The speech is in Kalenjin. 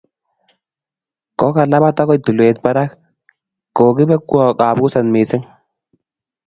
Kokalapat akoi tulweet barak, kokibekwo kapuset missing.